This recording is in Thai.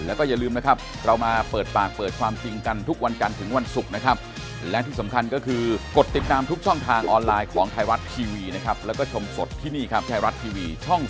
เออเลยพูดได้